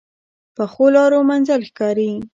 پخو لارو منزل ښکاري